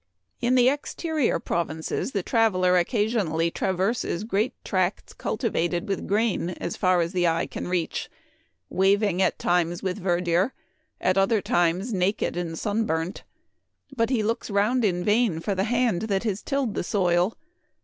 " In the exterior provinces the traveler occa sionally traverses great tracts cultivated with grain as far as the eye can reach, waving at times with verdure, at other times naked and sunburnt ; but he looks round in vain for the hand that has tilled the soil.